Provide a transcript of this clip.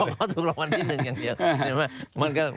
เขาถูกรางวัลที่หนึ่งอย่างเดียว